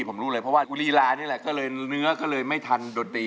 ผมรู้เลยเพราะว่ากุลีลานี่แหละก็เลยเนื้อก็เลยไม่ทันดนตรี